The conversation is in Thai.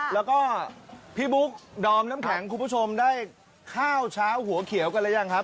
แล้วก็พี่บุ๊คดอมน้ำแข็งคุณผู้ชมได้ข้าวเช้าหัวเขียวกันหรือยังครับ